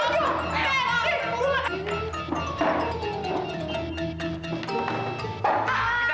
kita semua mau keluar